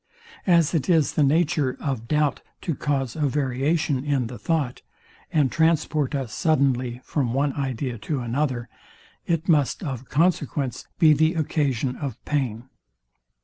As it is the nature of doubt to cause a variation in the thought, and transport us suddenly from one idea to another, it must of consequence be the occasion of pain.